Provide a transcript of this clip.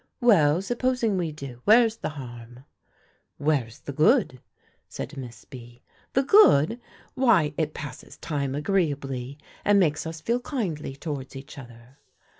"Well, supposing we do; where's the harm?" "Where's the good?" said Miss B. "The good! why, it passes time agreeably, and makes us feel kindly towards each other."